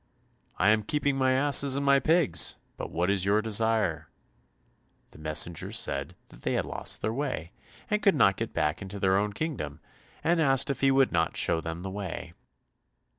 "I am keeping my asses and my pigs; but what is your desire?" The messenger said that they had lost their way, and could not get back into their own kingdom, and asked if he would not show them the way.